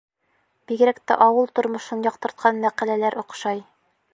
Бигерәк тә ауыл тормошон яҡтыртҡан мәҡәләләр оҡшай.